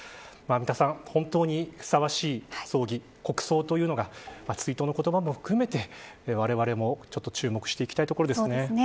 三田さん、本当にふさわしい葬儀国葬というのが追悼の言葉も含めて我々も注目していきたいところですね。